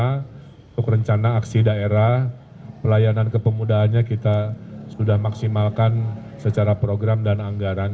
untuk rencana aksi daerah pelayanan kepemudaannya kita sudah maksimalkan secara program dan anggaran